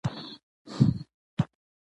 دښتې افغانانو ته معنوي ارزښت لري.